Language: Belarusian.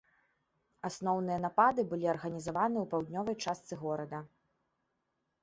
Асноўныя напады былі арганізаваны ў паўднёвай частцы горада.